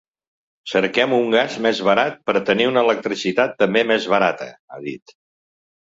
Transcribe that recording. Cerquem un gas més barat per tenir una electricitat també més barata, ha dit.